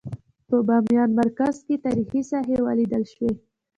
په بامیان مرکز کې تاریخي ساحې ولیدل شوې.